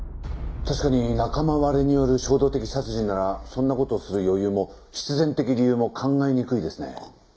確かに仲間割れによる衝動的殺人ならそんな事をする余裕も必然的理由も考えにくいですね。